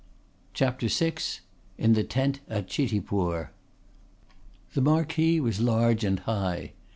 CHAPTER VI IN THE TENT AT CHITIPTUR The marquee was large and high.